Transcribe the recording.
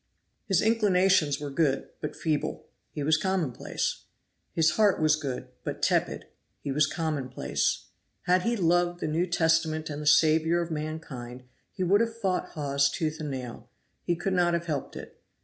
His inclinations were good, but feeble he was commonplace. His heart was good, but tepid he was commonplace. Had he loved the New Testament and the Saviour of mankind, he would have fought Hawes tooth and nail; he could not have helped it.